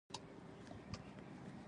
یو د سحر لخوا درس وايي